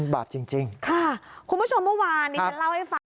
บาทจริงค่ะคุณผู้ชมเมื่อวานนี้ฉันเล่าให้ฟัง